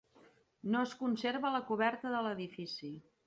No es conserva la coberta de l'edifici.